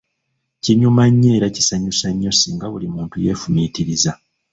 Kinyuma nnyo era kisanyusa nnyo singa buli muntu yeefumiitiriza.